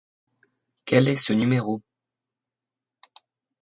Quel est ce numéro?